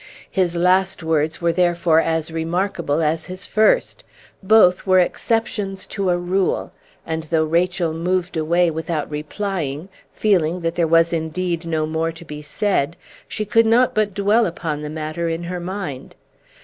His last words were therefore as remarkable as his first; both were exceptions to a rule; and though Rachel moved away without replying, feeling that there was indeed no more to be said, she could not but dwell upon the matter in her mind.